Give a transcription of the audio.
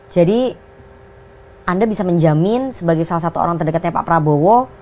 jadi anda bisa menjamin sebagai salah satu orang terdekatnya pak prabowo